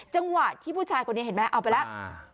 จังหวะที่ผู้ชายคนนี้เห็นไหมเอาไปแล้ว